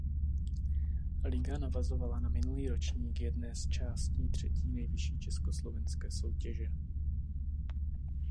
Liga navazovala na minulý ročník jedné z částí třetí nejvyšší československé soutěže.